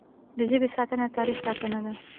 د ژبې ساتنه د تاریخ ساتنه ده.